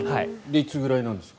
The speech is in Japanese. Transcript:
いつぐらいになるんですか。